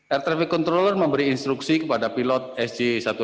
air traffic controller memberi instruksi kepada pilot sj satu ratus delapan puluh dua